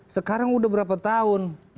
sekarang sudah berapa tahun